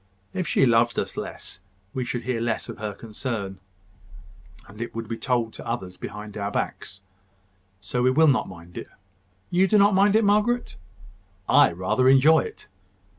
If she loved us less, we should hear less of her concern, and it would be told to others behind our backs. So we will not mind it. You do not mind it, Margaret?" "I rather enjoy it."